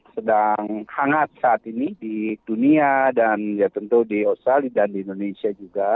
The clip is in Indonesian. sedang hangat saat ini di dunia dan ya tentu di australia dan di indonesia juga